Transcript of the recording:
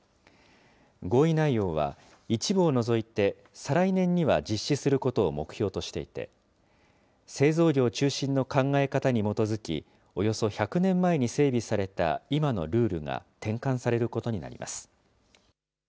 合意内容は一部を除いて再来年には実施することを目標としていて、製造業中心の考え方に基づき、およそ１００年前に整備された今のルールが転換されることになります。